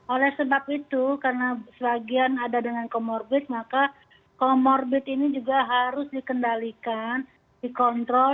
oleh sebab itu karena sebagian ada dengan comorbid maka comorbid ini juga harus dikendalikan dikontrol